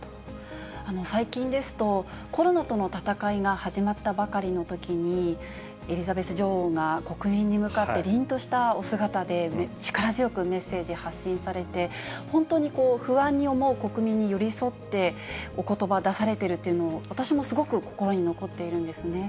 最近ですと、コロナとの闘いが始まったばかりのときに、エリザベス女王が国民に向かって、りんとしたお姿で、力強くメッセージ、発信されて、本当に不安に思う国民に寄り添って、おことば出されてるというのを、私もすごく心に残っているんですね。